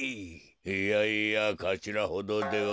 いやいやかしらほどでは。